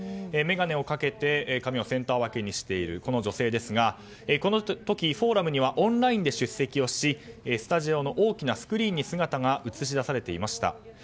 眼鏡をかけて髪をセンター分けにしているこの女性ですがこの時、フォーラムにはオンラインで出席をしスタジオの大きなスクリーンに姿が映し出されていました。